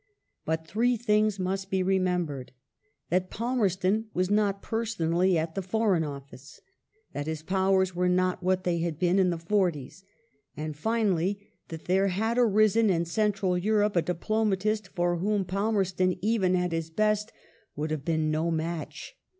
But three things must be remembered : that Palmerston was not personally at the Foreign Office ; that his powers were not what they had been , in the 'forties ; and, finally, that there had arisen in central Europe a diplomatist for whom Palmerston, even at his best, would have been no match.